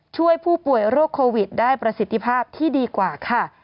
ช่วยผู้ป่วยโรคโควิดได้ประสิทธิภาพที่ดีกว่าค่ะ